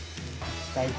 ◆最高。